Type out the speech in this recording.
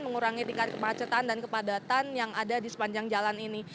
mengurangi tingkat kemacetan dan kepadatan yang ada di sepanjang jalan ini